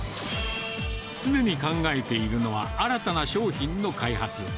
常に考えているのは、新たな商品の開発。